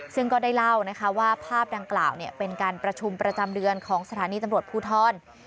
ซึ่งก็ได้เล่านะคะว่าภาพดังกล่าวเป็นการประชุมประจำเดือนของสถานีตำรวจภูทร